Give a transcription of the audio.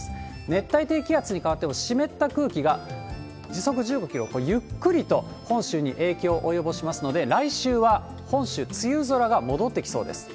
熱帯低気圧に変わっても湿った空気が時速１５キロ、ゆっくりと本州に影響を及ぼしますので、来週は本州、梅雨空が戻ってきそうです。